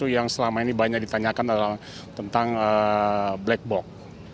yang selama ini banyak ditanyakan adalah tentang black box